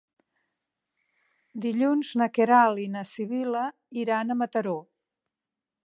Dilluns na Queralt i na Sibil·la iran a Mataró.